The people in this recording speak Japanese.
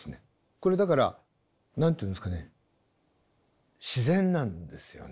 これだから何て言うんですかね自然なんですよね。